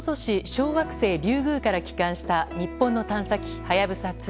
小惑星リュウグウから帰還した日本の探査機「はやぶさ２」。